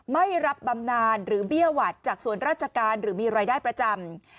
ไม่รับบำนานหรือเบี้ยหวัดจากส่วนราชการหรือมีรายได้ประจำ